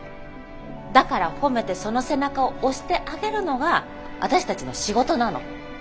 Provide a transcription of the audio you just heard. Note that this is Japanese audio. だから褒めてその背中を押してあげるのが私たちの仕事なの。